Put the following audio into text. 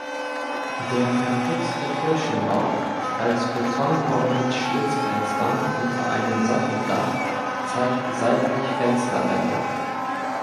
Der verputzte Kirchenbau als Betonbau mit Schlitzfenstern unter einem Satteldach zeigt seitlich Fensterbänder.